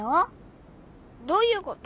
どういうこと？